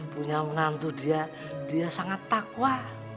punya menantu dia dia sangat takwa